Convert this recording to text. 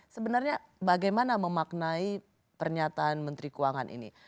sebenarnya bagaimana memaknai pernyataan menteri keuangan ini